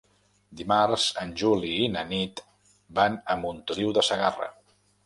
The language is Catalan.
Dimarts en Juli i na Nit van a Montoliu de Segarra.